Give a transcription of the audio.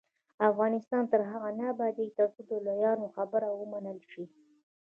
افغانستان تر هغو نه ابادیږي، ترڅو د لویانو خبره ومنل شي.